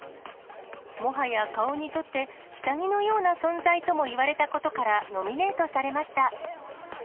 もはや顔にとって下着のような存在ともいわれたことからノミネートされました。